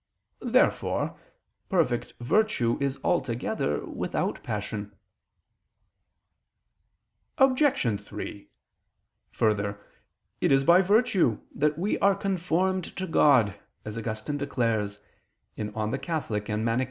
Therefore perfect virtue is altogether without passion. Obj. 3: Further, it is by virtue that we are conformed to God, as Augustine declares (De Moribus Eccl.